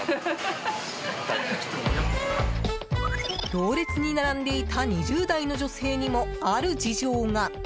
行列に並んでいた２０代の女性にも、ある事情が。